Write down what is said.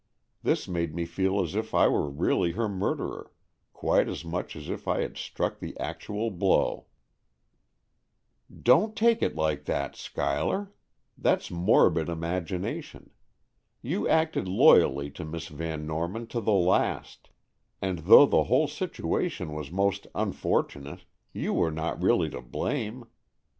This made me feel as if I were really her murderer, quite as much as if I had struck the actual blow." "Don't take it like that, Schuyler; that's morbid imagination. You acted loyally to Miss Van Norman to the last, and though the whole situation was most unfortunate, you were not really to blame.